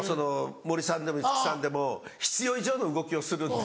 森さんでも五木さんでも必要以上の動きをするんで。